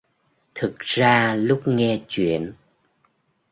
Thực ra lúc nghe chuyện